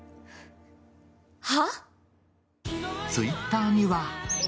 は？